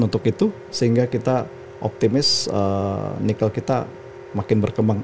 untuk itu sehingga kita optimis nikel kita makin berkembang